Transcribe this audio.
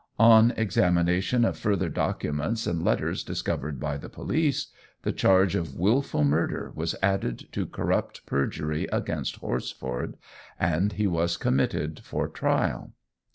On examination of further documents and letters discovered by the police, the charge of wilful murder was added to corrupt perjury against Horsford, and he was committed for trial.